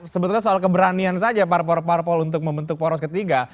sebetulnya soal keberanian saja parpol parpol untuk membentuk poros ketiga